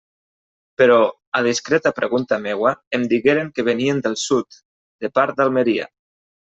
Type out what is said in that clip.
Però, a discreta pregunta meua, em digueren que venien del sud, de part d'Almeria.